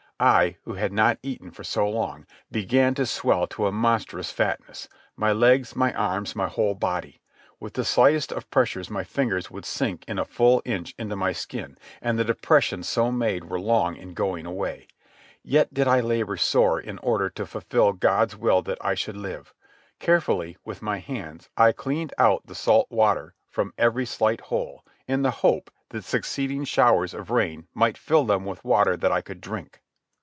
I, who had not eaten for so long, began to swell to a monstrous fatness—my legs, my arms, my whole body. With the slightest of pressures my fingers would sink in a full inch into my skin, and the depressions so made were long in going away. Yet did I labour sore in order to fulfil God's will that I should live. Carefully, with my hands, I cleaned out the salt water from every slight hole, in the hope that succeeding showers of rain might fill them with water that I could drink.